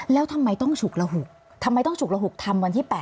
แล้วทำไมต้องฉุกระหุกทำวันที่๘นักกราคม